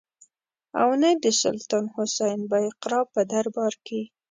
او نه د سلطان حسین بایقرا په دربار کې.